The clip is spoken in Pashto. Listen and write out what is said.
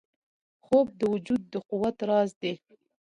خوب د وجود د قوت راز دی